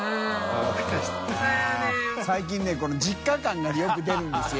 この実家感がよく出るんですよ